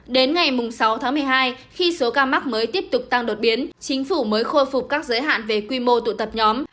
đến ngày sáu tháng một mươi hai khi số ca mắc mới tiếp tục tăng đột biến chính phủ mới khôi phục các giới hạn về quy mô tụ tập nhóm